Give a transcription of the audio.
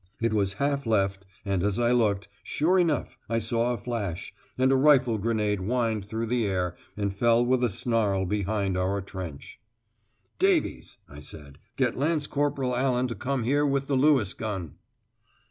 It was half left, and as I looked, sure enough I saw a flash, and a rifle grenade whined through the air, and fell with a snarl behind our trench. "Davies," I said, "get Lance Corporal Allan to come here with the Lewis gun."